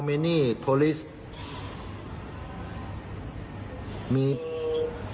ผมจ่ายโปรลิสหนึ่งคน